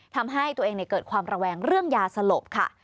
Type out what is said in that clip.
ทำให้ตัวเองเกิดความระแวงเรื่องยาสลบค่ะ